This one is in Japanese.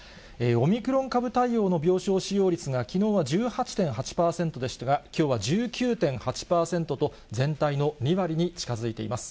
オミクロン株対応の病床使用率が、きのうは１８．８％でしたが、きょうは１９．８％と、全体の２割に近づいています。